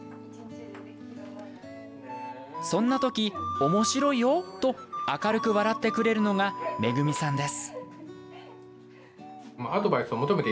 そんなとき、おもしろいよ！と明るく笑ってくれるのがめぐみさんです。